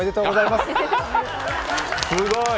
すごい！